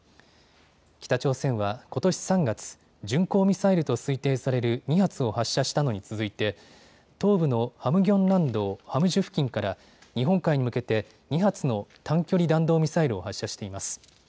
北朝鮮はことし３月、巡航ミサイルと推定される２発を発射したのに続いて東部のハムギョン南道ハムジュ付近から日本海に向けて２発の短距離弾道ミサイルを発射しています。